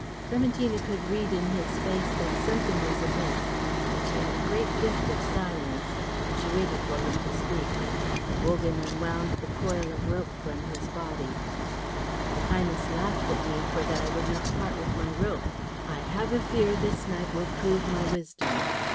Clementina could read in his face that something was amiss, but she had a great gift of silence. She waited for him to speak. Wogan unwound the coil of rope from his body. "Your Highness laughed at me for that I would not part with my rope. I have a fear this night will prove my wisdom."